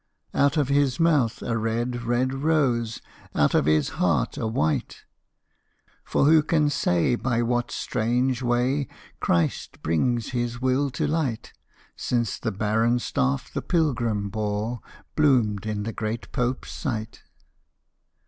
Out of his mouth a red, red rose! Out of his heart a white! For who can say by what strange way, Christ brings His will to light, Since the barren staff the pilgrim bore Bloomed in the great Popeâs sight?